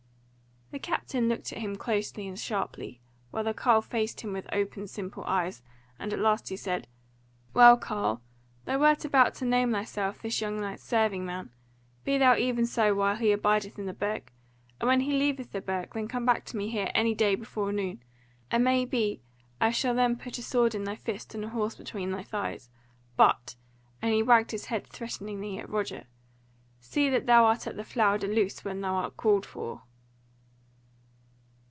The captain looked at him closely and sharply, while the carle faced him with open simple eyes, and at last he said: "Well, carle, thou wert about to name thyself this young knight's serving man; be thou even so whiles he abideth in the Burg; and when he leaveth the Burg then come back to me here any day before noon, and may be I shall then put a sword in thy fist and horse between thy thighs. But," (and he wagged his head threateningly at Roger) "see that thou art at the Flower de Luce when thou art called for."